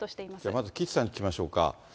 まず岸さんに聞きましょうか。